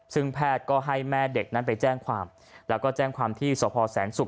ซึ่งแพทย์ก็ให้แม่เด็กนั้นไปแจ้งความแล้วก็แจ้งความที่สพแสนศุกร์